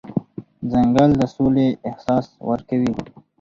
ځنګل د سولې احساس ورکوي.